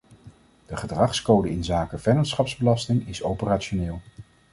De gedragscode inzake vennootschapsbelasting is operationeel.